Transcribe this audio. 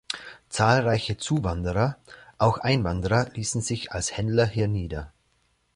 Zahlreiche Zuwanderer, auch Einwanderer, ließen sich als Händler hier nieder.